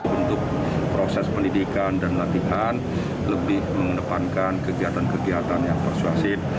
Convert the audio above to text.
untuk proses pendidikan dan latihan lebih mengedepankan kegiatan kegiatan yang persuasif